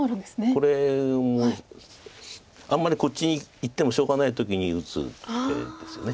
これあんまりこっちにいってもしょうがない時に打つ手ですよね。